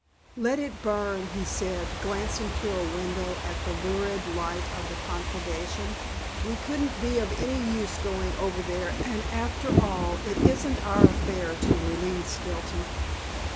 "Let it burn," he said, glancing through a window at the lurid light of the conflagration. "We couldn't be of any use going over there and, after all, it isn't our affair to relieve Skeelty."